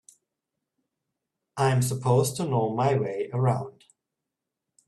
I'm supposed to know my way around.